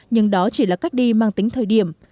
nhưng đó chỉ là cách đi mang tính thời điểm